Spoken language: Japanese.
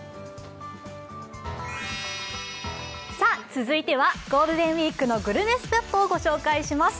続いてはゴールデンウイークのグルメスポットを御紹介します。